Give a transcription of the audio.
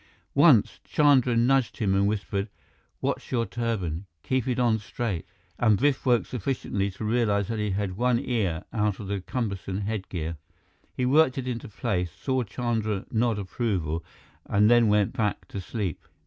Once, Chandra nudged him and whispered, "Watch your turban! Keep it on straight!" and Biff woke sufficiently to realize that he had one ear out of the cumbersome headgear. He worked it into place, saw Chandra nod approval, and then went back to sleep.